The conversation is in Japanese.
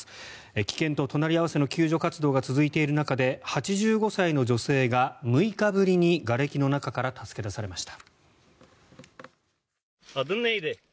危険と隣り合わせの救助活動が続いている中で８５歳の女性が６日ぶりにがれきの中から助け出されました。